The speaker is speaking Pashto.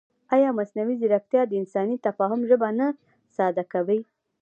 ایا مصنوعي ځیرکتیا د انساني تفاهم ژبه نه ساده کوي؟